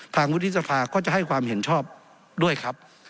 วุฒิสภาก็จะให้ความเห็นชอบด้วยครับ